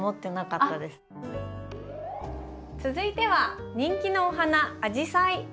続いては人気のお花アジサイ。